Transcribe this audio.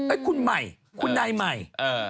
ไอ้คุณไหมคุณนายไหม